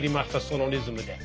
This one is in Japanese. そのリズムで。